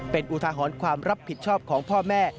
เป็นอุทหรณ์ความรับผิดชอบของพ่อแม่